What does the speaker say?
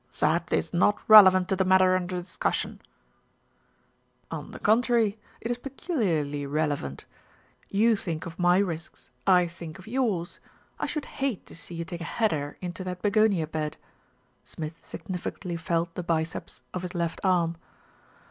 "That is not relevant to the matter under discus sion." "On the contrary, it is peculiarly relevant. You think of my risks, I think of yours. I should hate to see you take a header into that begonia bed." Smith significantly felt the biceps of his left arm.